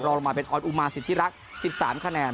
ลงมาเป็นออนอุมาสิทธิรักษ์๑๓คะแนน